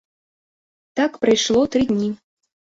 Так прайшло тры дні.